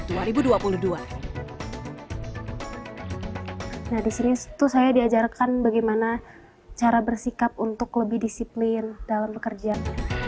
nah disini saya diajarkan bagaimana cara bersikap untuk lebih disiplin dalam pekerjaan